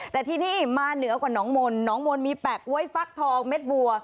แต่ที่นี่มาเหนือกว่าน้องมนต์มีแปะกระโว้ยฟักทองเม็ดบัว